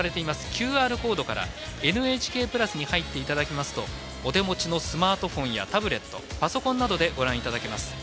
ＱＲコードから「ＮＨＫプラス」に入っていただきますとお手持ちのスマートフォンやタブレットパソコンなどでご覧いただけます。